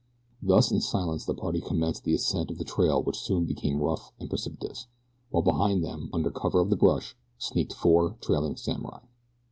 Thus, in silence, the party commenced the ascent of the trail which soon became rough and precipitous, while behind them, under cover of the brush, sneaked four trailing samurai.